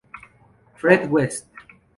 Fred West.